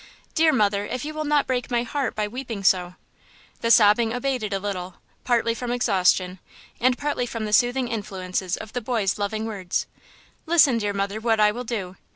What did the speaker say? Dear mother, if you will not break my heart by weeping so!" The sobbing abated a little, partly from exhaustion and partly from the soothing influences of the boy's loving words. "Listen, dear mother, what I will do!